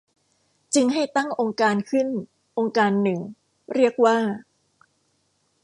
จึงให้ตั้งองค์การณ์ขึ้นองค์การณ์หนึ่งเรียกว่า